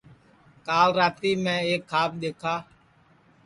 کال راتی میں ایک کھاب دؔیکھا